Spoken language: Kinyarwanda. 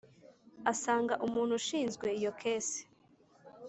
asanga umuntu ushinzwe iyo kese